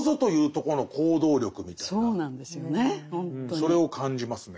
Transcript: それを感じますね。